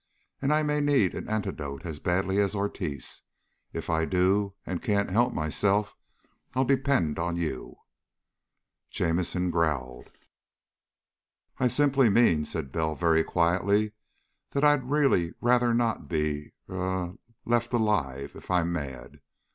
And I may need an antidote as badly as Ortiz. If I do, and can't help myself, I'll depend on you." Jamison growled. "I simply mean," said Bell very quietly, "that I'd really rather not be er left alive if I'm mad.